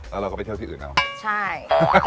แล้วเราก็ไปเที่ยวที่อื่นเอาใช่